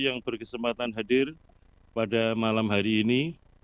yang berkesempatan hadir pada malam hari ini